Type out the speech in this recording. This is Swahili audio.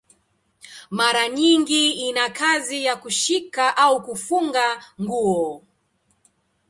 Mara nyingi ina kazi ya kushika au kufunga nguo.